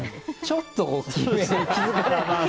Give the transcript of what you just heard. ちょっと大きめに。